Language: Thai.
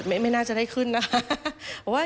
คอนเสิร์ตไม่น่าจะได้ขึ้นนะคะ